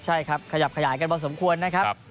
ใช่ขยับขยายกันว่าสมควรนะครับ